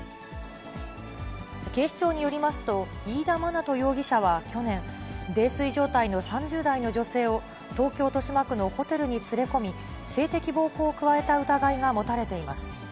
警視庁によりますと、飯田学人容疑者は去年、泥酔状態の３０代の女性を、東京・豊島区のホテルに連れ込み、性的暴行を加えた疑いが持たれています。